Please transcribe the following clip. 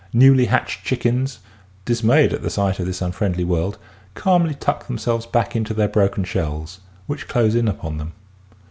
Newly hatched chickens, dismayed at the sight of this unfriendly world, calmly tuck themselves back into their broken shells which close in upon them.